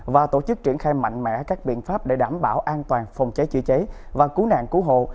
và tổ chức triển khai mạnh mẽ các biện pháp để đảm bảo an toàn phòng cháy chữa cháy và cứu nạn cứu hộ